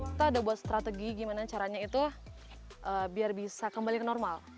kita udah buat strategi gimana caranya itu biar bisa kembali ke normal